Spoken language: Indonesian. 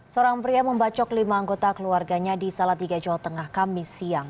seorang pria membacok lima anggota keluarganya di salatiga jawa tengah kamis siang